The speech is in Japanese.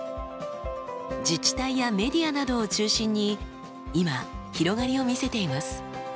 自治体やメディアなどを中心に今広がりを見せています。